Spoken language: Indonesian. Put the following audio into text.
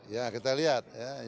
ya kita lihat